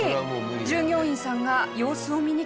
従業員さんが様子を見に来ましたが。